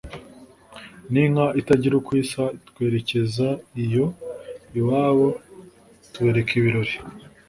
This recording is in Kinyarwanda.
N’inka itagira uko isa Twerekaza iyo iwabo Tubereka ibirori